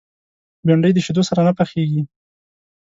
بېنډۍ د شیدو سره نه پخېږي